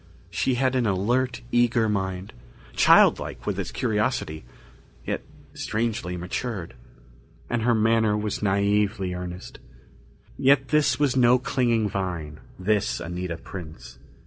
She had an alert, eager mind, childlike with its curiosity, yet strangely matured. And her manner was naïvely earnest. Yet this was no clinging vine, this Anita Prince.